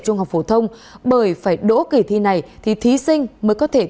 trung học phổ thông bởi phải đỗ kỳ thi này thì thí sinh mới có thể